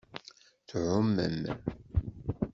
Tɛumem.